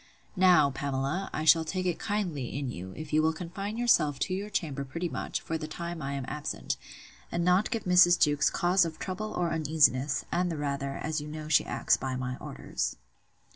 Now, Pamela, I shall take it kindly in you, if you will confine yourself to your chamber pretty much, for the time I am absent, and not give Mrs. Jewkes cause of trouble or uneasiness; and the rather, as you know she acts by my orders.